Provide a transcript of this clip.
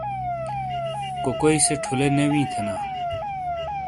کوکوئی سے ٹھولے نے دی تھینا